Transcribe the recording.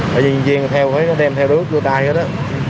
nhân viên phải đem theo đuốc rửa tay hết á